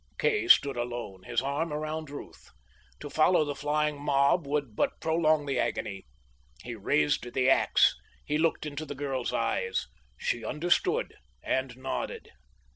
Kay stood alone, his arm around Ruth. To follow the flying mob would but prolong the agony. He raised the ax. He looked into the girl's eyes. She understood, and nodded.